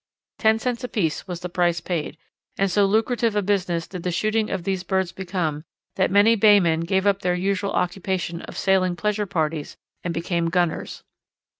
Ten cents apiece was the price paid, and so lucrative a business did the shooting of these birds become that many baymen gave up their usual occupation of sailing pleasure parties and became gunners.